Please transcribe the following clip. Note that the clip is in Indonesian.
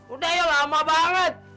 udah ya lama banget